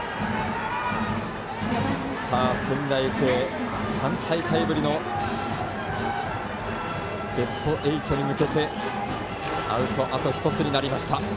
仙台育英、３大会ぶりのベスト８に向けてアウトあと１つになりました。